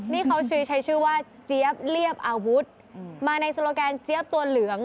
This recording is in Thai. นี่เขาใช้ชื่อว่าเจี๊ยบเรียบอาวุธมาในโซโลแกนเจี๊ยบตัวเหลือง